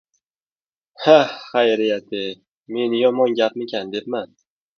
— Ha-a, xayriyat-ye. Men yomon gapmikin debman.